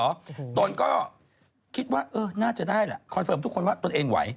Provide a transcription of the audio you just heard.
ตัวต้นก็คิดว่าน่าจะได้ล่ะ